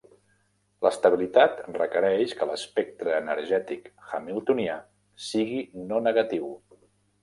L'estabilitat requereix que l'espectre energètic hamiltonià sigui no negatiu.